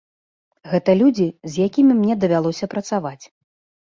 Гэта людзі, з якімі мне давялося працаваць.